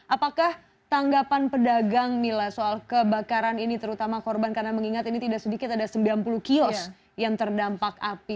apakah tanggapan pedagang mila soal kebakaran ini terutama korban karena mengingat ini tidak sedikit ada sembilan puluh kios yang terdampak api